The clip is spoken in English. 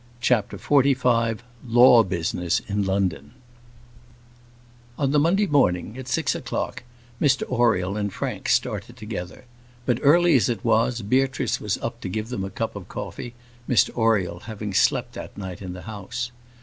CHAPTER XLV Law Business in London On the Monday morning at six o'clock, Mr Oriel and Frank started together; but early as it was, Beatrice was up to give them a cup of coffee, Mr Oriel having slept that night in the house.